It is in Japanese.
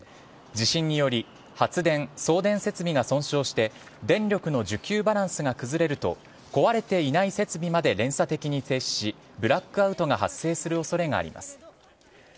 地震により発電・送電設備が損傷して電力の需給バランスが崩れると壊れていない設備まで連鎖的に停止しブラックアウトが発生する恐れがあります。